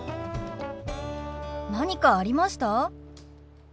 何かありました？